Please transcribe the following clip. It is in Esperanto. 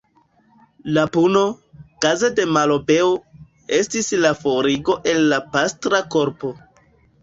La puno, kaze de malobeo, estis la forigo el la pastra korpo.